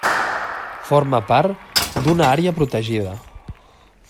Forma part d'una àrea protegida.